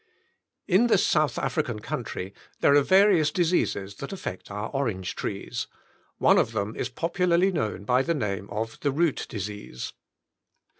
In this South African country there are various diseases that affect our orange trees. One of them is popularly known by the name of the root disease.